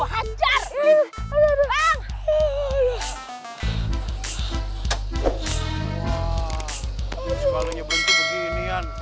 wah ini suaranya berhenti beginian